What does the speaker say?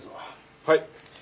はい。